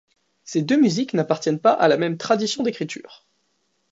Ces deux musiques n'appartiennent pas à la même tradition d'écriture.